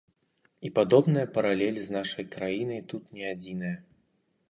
І падобная паралель з нашай краінай тут не адзіная.